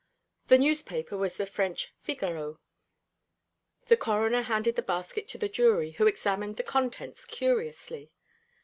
The newspaper was the French Figaro. The Coroner handed the basket to the jury, who examined the contents curiously.